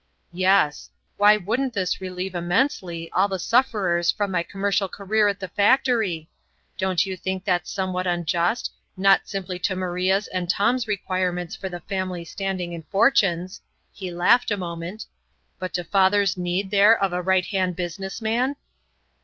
"Yes. Why wouldn't this relieve immensely all the sufferers from my commercial career at the factory? Don't you think that's somewhat unjust, not simply to Maria's and Tom's requirements for the family standing and fortunes" he laughed a moment "but to father's need there of a right hand business man?"